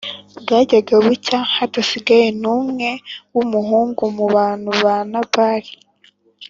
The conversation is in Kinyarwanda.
bwajyaga gucya hadasigaye n’umwe w’umuhungu mu bantu ba Nabali.